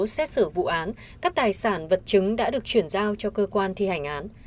xét xử vụ án các tài sản vật chứng đã được chuyển giao cho cơ quan thi hành án